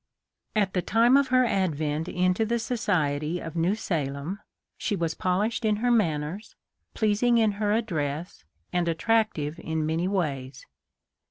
At the time of her advent into the society of New Salem she was polished in her manners, pleasing in her address, and attractive in many ways.